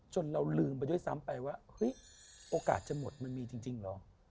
เราลืมไปด้วยซ้ำไปว่าเฮ้ยโอกาสจะหมดมันมีจริงเหรอ